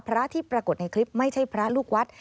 พระที่ปรากฏในคลิปไม่ใช่พระลูกวัด